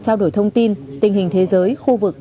trao đổi thông tin tình hình thế giới khu vực